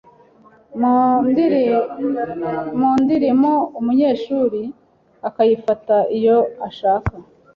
mu ndirimo umunyeshuri akayifata iyo ashaka